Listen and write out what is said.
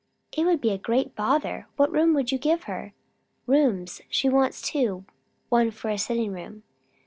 "It would be a great bother. What room would you give her?" "Rooms. She wants two. One for a sitting room."